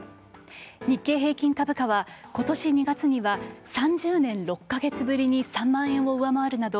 日経平均株価はことし２月には３０年６か月ぶりに３万円を上回るなど